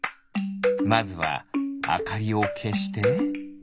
まずはあかりをけして。